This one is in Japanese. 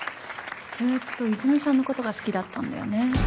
ずーっと泉さんのことが好きだったんだよね。